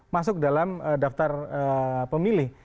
masuk dalam daftar pemilih